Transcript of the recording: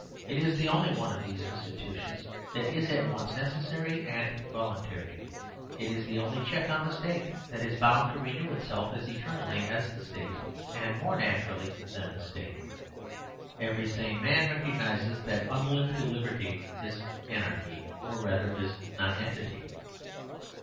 It is the only one of these institutions that is at once necessary and voluntary. It is the only check on the state that is bound to renew itself as eternally as the state, and more naturally than the state. Every sane man recognises that unlimited liberty is anarchy, or rather is nonentity.